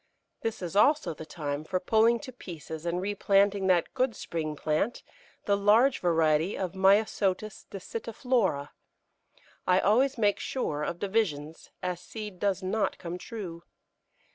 ] This is also the time for pulling to pieces and replanting that good spring plant, the large variety of Myosotis dissitiflora; I always make sure of divisions, as seed does not come true.